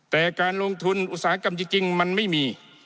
แต่การลงทุนอุตสาหกรรมจริงมันไม่มี